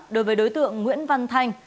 đối với đối tượng nguyễn văn thanh